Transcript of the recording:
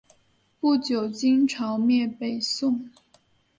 不久金朝灭北宋。